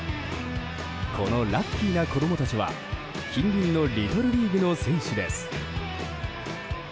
このラッキーな子供たちは近隣のリトルリーグの選手です。